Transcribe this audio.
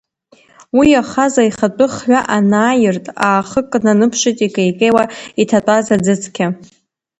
Уи иахаз аихатәы хҩа анааирт, аа-хык наныԥшит икеикеиуа иҭатәаз аӡыцқьа.